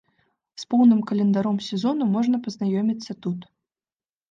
З поўным календаром сезону можна пазнаёміцца тут.